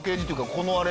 このあれ。